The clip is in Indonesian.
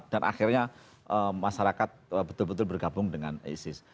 dan akhirnya masyarakat betul betul bergabung dengan isis